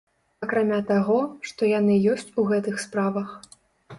Акрамя таго, што яны ёсць у гэтых справах.